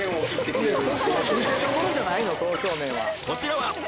［こちらは］